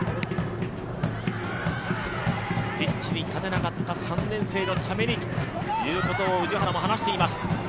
ピッチに立てなかった３年生のためにということを氏原も話しています。